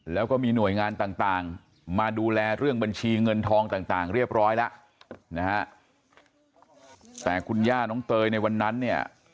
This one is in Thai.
แล้วก็มีหน่วยงานต่างมาดูแลเรื่องบัญชีเงินทองต่างเรียบร้อยแล้วนะฮะ